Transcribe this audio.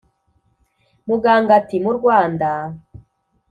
muganga ati"mu rwanda"